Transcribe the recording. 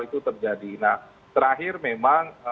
itu terjadi nah terakhir memang